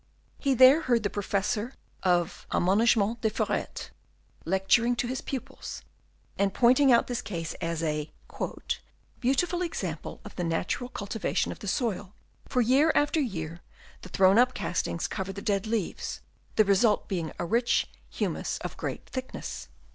He there heard the Professor of " Amenagement des Forets " lecturing to his pupils, and pointing out this case as a u beautiful example of the natural cultiva " tion of the soil ; for year after year the " thrown up castings cover the dead leaves ;" the result being a rich humus of great " thickness."